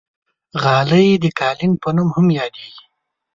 غالۍ د قالین په نوم هم یادېږي.